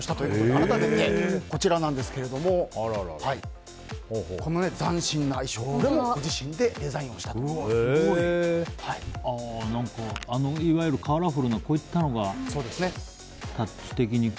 改めて、こちらなんですがこの斬新な衣装をご自身でデザインしたと。いわゆるカラフルなこういったのが素敵に。